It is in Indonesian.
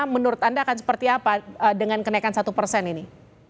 menurut anda akan seperti apa dengan kenaikan satu persen ini